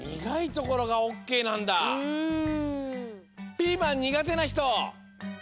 ピーマンにがてなひと。